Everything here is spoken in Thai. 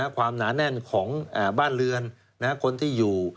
ความหนาแน่นของบ้านเรือนคนที่อยู่